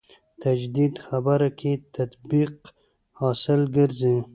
تجدید خبره کې تطبیق حاصل ګرځي.